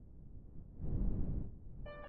زړه نازړه په شمار اخلي د لحد پر لور ګامونه